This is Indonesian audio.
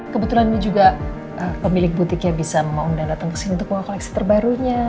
kebetulan ini juga pemilik butiknya bisa mau datang kesini untuk membuat koleksi terbarunya